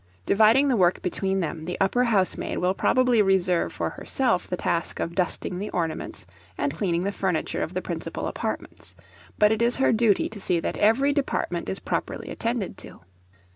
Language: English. Dividing the work between them, the upper housemaid will probably reserve for herself the task of dusting the ornaments and cleaning the furniture of the principal apartments, but it is her duty to see that every department is properly attended to.